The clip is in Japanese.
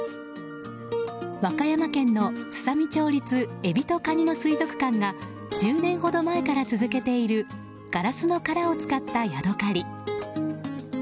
和歌山県のすさみ町立エビとカニの水族館が１０年ほど前から続けているガラスの殻を使ったヤドカリ。